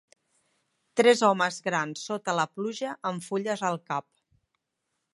Tres homes grans sota la pluja amb fulles al cap.